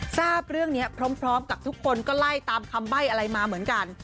ทราบเรื่องนี้พร้อมกับทุกคนก็ไล่ตามคำใบ้อะไรมาเหมือนกัน